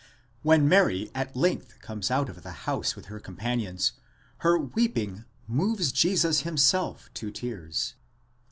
4 When Mary at length comes out of the house with her companions, her weeping moves Jesus himself to tears.